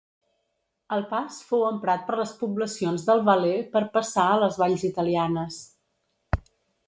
El pas fou emprat per les poblacions del Valais per passar a les valls italianes.